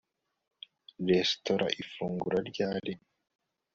Restaurant ifungura ryari